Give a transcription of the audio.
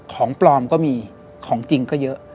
ของปลอมก็มีของจริงก็เยอะ